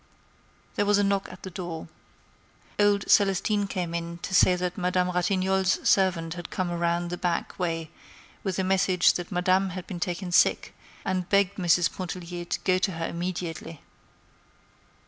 There was a knock at the door. Old Celestine came in to say that Madame Ratignolle's servant had come around the back way with a message that Madame had been taken sick and begged Mrs. Pontellier to go to her immediately.